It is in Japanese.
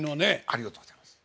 ありがとうございます。